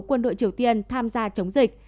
quân đội triều tiên tham gia chống dịch